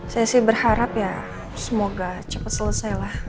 saya sih berharap ya semoga cepat selesai lah